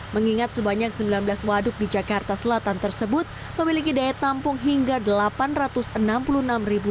mengingat sebanyak sembilan belas waduk di jakarta selatan tersebut memiliki daya tampung hingga delapan ratus enam puluh enam ribu